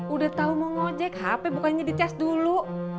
udah tau mau nge ojek hp bukannya di charge dulu